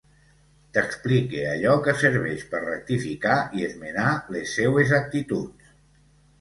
T'explique allò que serveix per rectificar i esmenar les seues actituds.